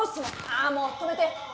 ああもう止めて。